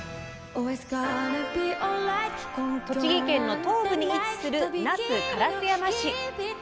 栃木県の東部に位置する那須烏山市。